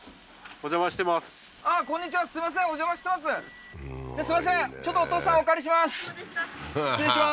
お邪魔してます